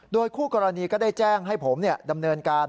โดยคู่กรณีก็ได้แจ้งให้ผมดำเนินการ